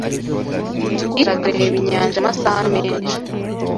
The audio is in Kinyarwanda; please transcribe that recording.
Yicaraga akareba inyanja amasaha menshi.